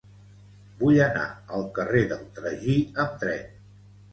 Vull anar al carrer del Tragí amb tren.